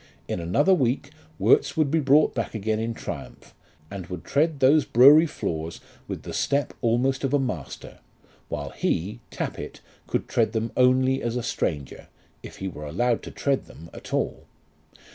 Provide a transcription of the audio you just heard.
In another week Worts would be brought back again in triumph, and would tread those brewery floors with the step almost of a master, while he, Tappitt, could tread them only as a stranger, if he were allowed to tread them at all.